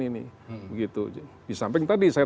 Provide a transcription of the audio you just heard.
ini begitu di samping tadi saya